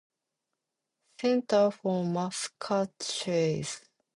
Senator from Massachusetts.